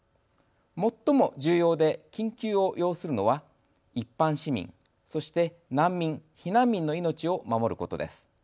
最も重要で緊急を要するのは一般市民そして難民、避難民の命を守ることです。